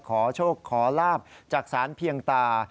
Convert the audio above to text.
ขอโชคขอลาบจากสารเพียงตา